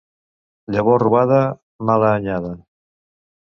Llavor robada, mala anyada.